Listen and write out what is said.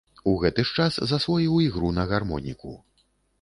У гэты ж час засвоіў ігру на гармоніку.